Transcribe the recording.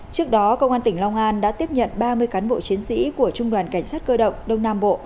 trước đó công an tỉnh long an đã tiếp nhận ba mươi cán bộ chiến sĩ của trung đoàn cảnh sát cơ động đông nam bộ